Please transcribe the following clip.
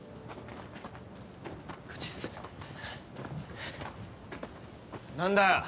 こっちです何だ？